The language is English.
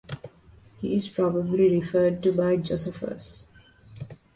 He is probably referred to by Josephus.